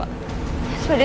baka berjanjah aja